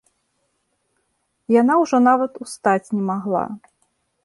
Яна ўжо нават устаць не магла.